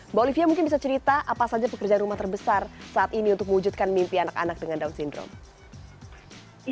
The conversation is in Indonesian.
mbak olivia mungkin bisa cerita apa saja pekerjaan rumah terbesar saat ini untuk mewujudkan mimpi anak anak dengan down syndrome